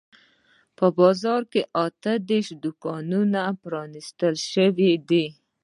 په بازار کې اته دیرش دوکانونه پرانیستل شوي دي.